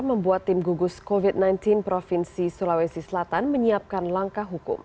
membuat tim gugus covid sembilan belas provinsi sulawesi selatan menyiapkan langkah hukum